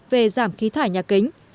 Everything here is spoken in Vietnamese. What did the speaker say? về giảm khí thải nhà kính